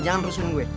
jangan rusun gue